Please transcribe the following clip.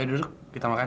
ayo duduk kita makan